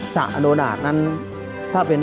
สระอนดามนั้น